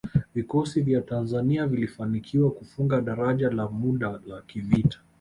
Vikosi vya Tanzania vilifanikiwa kufunga daraja la muda la kivita